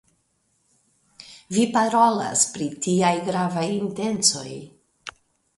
Vi parolas pri tiaj gravaj intencoj.